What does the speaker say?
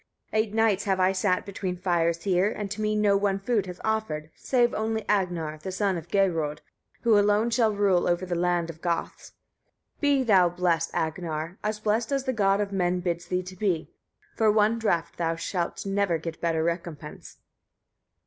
2. Eight nights have I sat between fires here, and to me no one food has offered, save only Agnar, the son of Geirröd, who alone shall rule over the land of Goths. 3. Be thou blessed, Agnar! as blessed as the god of men bids thee to be. For one draught thou never shalt get better recompense.